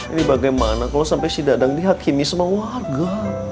ini bagaimana kalau sampai si dadang dihakimi sama warga